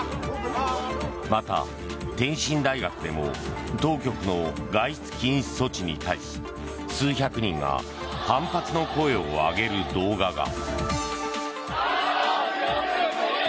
また、天津大学でも当局の外出禁止措置に対し数百人が反発の声を上げる動画が。